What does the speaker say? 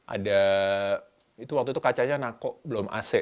ada itu waktu itu kacanya nako belum ac